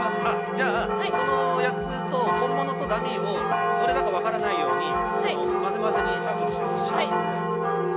◆じゃあその８つと本物とダミーをどれだか分からないように、まぜまぜにシャッフルしてください。